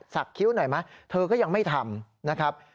คิ้วหน่อยไหมเธอก็ยังไม่ทำนะครับ